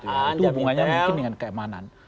itu hubungannya mungkin dengan keamanan